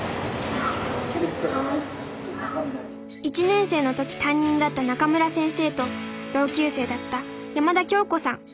１年生の時担任だった中村先生と同級生だった山田京子さん